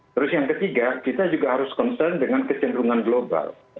terus yang ketiga kita juga harus concern dengan kecenderungan global